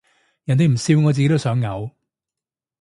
人哋唔笑我自己都想嘔